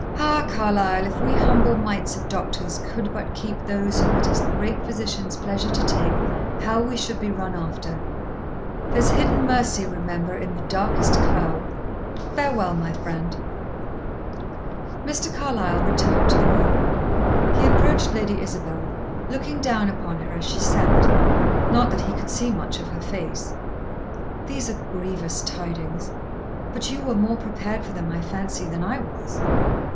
"Ah, Carlyle! If we humble mites of human doctors could but keep those whom it is the Great Physician's pleasure to take, how we should be run after! There's hidden mercy, remember, in the darkest cloud. Farewell my friend." Mr. Carlyle returned to the room. He approached Lady Isabel, looking down upon her as she sat; not that he could see much of her face. "These are grievous tidings. But you were more prepared for them, I fancy, than I was."